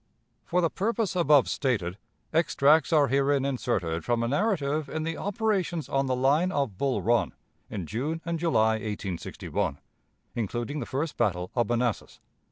For the purpose above stated, extracts are herein inserted from a narrative in the "Operations on the Line of Bull Run in June and July, 1861, including the First Battle of Manassas."